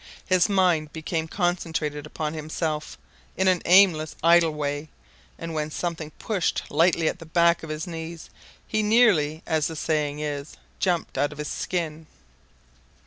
His mind became concentrated upon himself in an aimless, idle way, and when something pushed lightly at the back of his knees he nearly, as the saying is, jumped out of his skin.